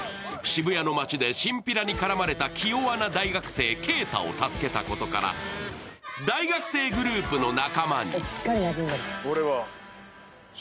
渋谷の街でチンピラに絡まれた気弱な大学生・啓太を助けたことから、大学生グループの仲間に。